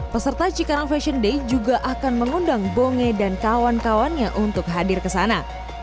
peserta cikarang fashion day juga akan mengundang bonge dan kawan kawannya untuk hadir ke sana